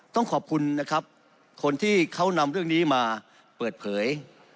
ต้องขอบคุณนะครับคนที่เขานำเรื่องนี้มาเปิดเผย